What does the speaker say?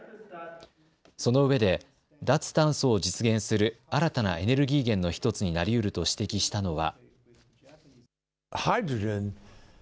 そのうえで脱炭素を実現する新たなエネルギー源の１つになりうると指摘したのは。